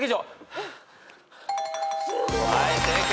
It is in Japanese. はい正解。